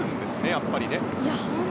やっぱり。